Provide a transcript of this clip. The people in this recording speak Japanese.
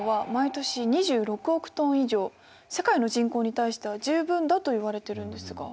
世界の人口に対しては十分だといわれてるんですが。